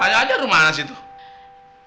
tanya aja rumana sih tuh